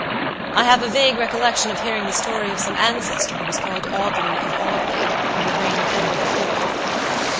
"I have a vague recollection of hearing the story of some ancestor who was called Audley of Audley in the reign of Edward the Fourth.